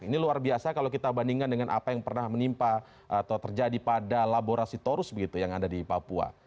ini luar biasa kalau kita bandingkan dengan apa yang pernah menimpa atau terjadi pada laborasi torus begitu yang ada di papua